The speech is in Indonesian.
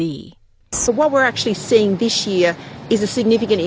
apa yang kita lihat tahun ini adalah impak yang signifikan